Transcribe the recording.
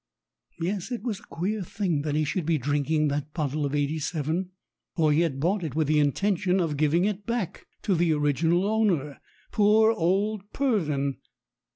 Yes, it was a queer thing that he should be drinking that bottle of '87; for he had bought it with the intention of giving it back to the original owner. Poor old Pur don